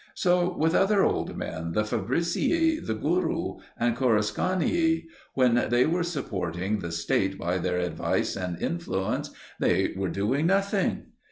So with other old men the Fabricii, the Guru and Coruncanii when they were supporting the State by their advice and influence, they were doing nothing!